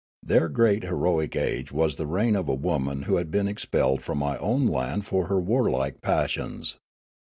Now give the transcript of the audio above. Their great heroic age was the reign of a woman who had been expelled from my own land for her warlike passions.